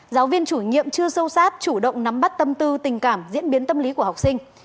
giáo viên chủ nhiệm chưa sâu sát chủ động nắm bắt tâm tư tình cảm diễn biến tâm lý của học sinh